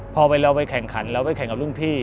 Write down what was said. พอเราไปแข่งขันเราไปแข่งกับรุ่นพี่